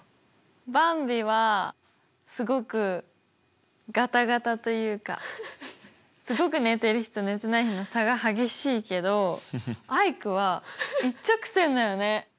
ばんびはすごくガタガタというかすごく寝てる日と寝てない日の差が激しいけどアイクは一直線だよね。